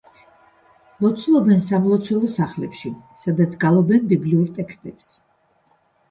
ლოცულობენ სამლოცველო სახლებში, სადაც გალობენ ბიბლიურ ტექსტებს.